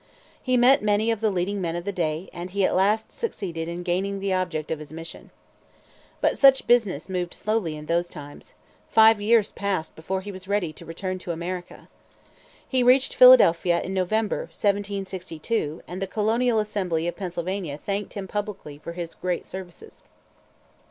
He met many of the leading men of the day, and he at last succeeded in gaining the object of his mission. But such business moved slowly in those times. Five years passed before he was ready to return to America. He reached Philadelphia in November, 1762, and the colonial assembly of Pennsylvania thanked him publicly for his great services.